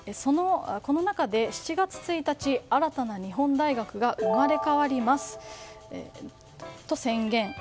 この中で７月１日、新たな日本大学が生まれ変わりますと宣言。